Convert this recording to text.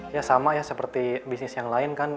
ya sama ya seperti bisnis yang lain kan